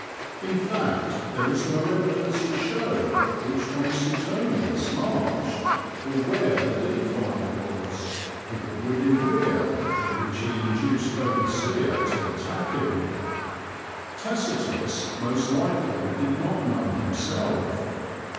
In fact there is no evidence to show which way Suetonius marched, or where the defile was, with the wood in rear, in which he induced Boadicea to attack him. Tacitus most likely did not know himself.